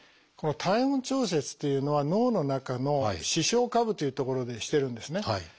この体温調節というのは脳の中の視床下部という所でしてるんですね。